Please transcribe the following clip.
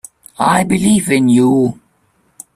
I believe in you.